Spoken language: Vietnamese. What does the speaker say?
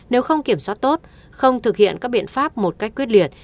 nếu không kiểm soát tốt không thực hiện các biện pháp một cách quyết liệt